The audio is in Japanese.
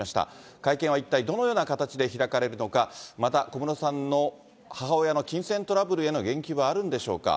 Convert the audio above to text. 会見は一体どのような形で開かれるのか、また、小室さんの母親の金銭トラブルへの言及はあるんでしょうか。